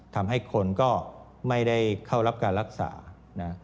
ทำให้คนก็ไม่ได้เข้ารับการรักษานะ